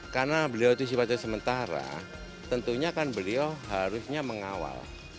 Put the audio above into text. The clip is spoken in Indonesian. karena beliau itu sifatnya sementara tentunya kan beliau harusnya mengawal